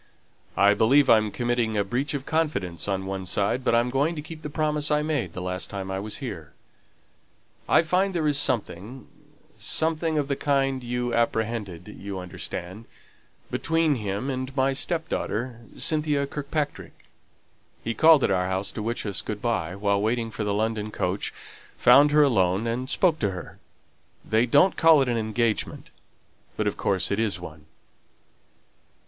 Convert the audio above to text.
"I believe I'm committing a breach of confidence on one side; but I'm going to keep the promise I made the last time I was here. I find there is something something of the kind you apprehended you understand between him and my step daughter, Cynthia Kirkpatrick. He called at our house to wish us good by, while waiting for the London coach, found her alone, and spoke to her. They don't call it an engagement, but of course it is one."